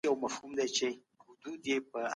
د پلان جوړوني ارزښت ورځ تر بلي زياتېږي.